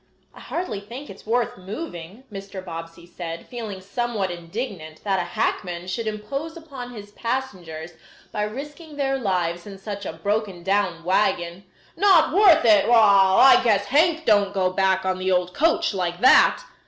"I hardly think it is worth moving," Mr. Bobbsey said, feeling somewhat indignant that a hackman should impose upon his passengers by risking their lives in such a broken down wagon. "Not worth it? Wall! I guess Hank don't go back on the old coach like that.